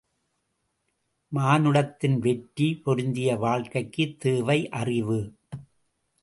மானுடத்தின் வெற்றி பொருந்திய வாழ்க்கைக்கு தேவை அறிவு.